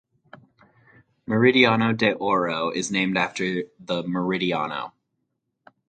Meridiano De Oro is named after the "Meridiano".